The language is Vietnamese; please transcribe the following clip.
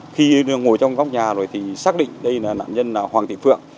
khi ngồi trong góc nhà rồi thì xác định đây là nạn nhân hoàng thị phượng